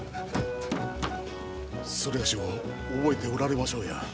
某を覚えておられましょうや。